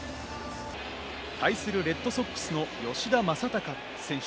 対するレッドソックスの吉田正尚選手。